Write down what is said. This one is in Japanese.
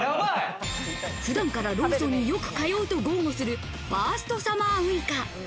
普段からローソンによく通うと豪語するファーストサマーウイカ。